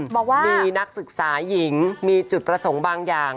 บอกว่ามีนักศึกษาหญิงมีจุดประสงค์บางอย่าง